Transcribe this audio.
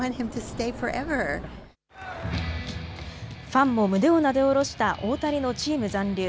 ファンも胸をなで下ろした大谷のチーム残留。